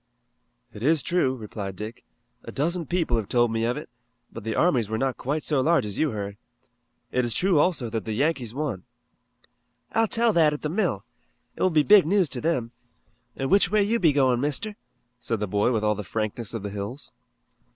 "It is true," replied Dick. "A dozen people have told me of it, but the armies were not quite so large as you heard. It is true also that the Yankees won." "I'll tell that at the mill. It will be big news to them. An' which way be you goin', Mister?" said the boy with all the frankness of the hills.